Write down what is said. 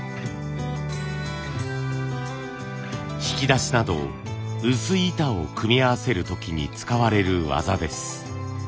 引き出しなど薄い板を組み合わせる時に使われる技です。